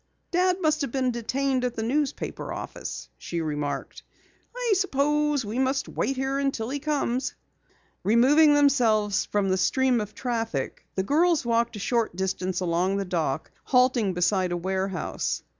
"Dad must have been detained at the newspaper office," she remarked. "I suppose we must wait here until he comes." Removing themselves from the stream of traffic, the girls walked a short distance along the dock, halting beside a warehouse.